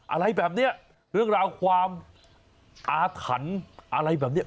อะไรแบบนี้เรื่องราวความอาถรรพ์อะไรแบบนี้